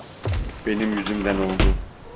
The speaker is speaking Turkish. Benim yüzümden oldu.